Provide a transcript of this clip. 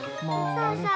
そうそう。